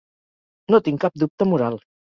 No tinc cap dubte moral